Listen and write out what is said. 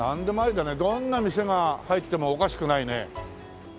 どんな店が入ってもおかしくないね。